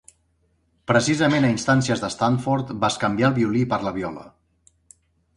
Precisament a instàncies de Stanford bescanvià el violí per la viola.